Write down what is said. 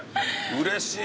うれしい！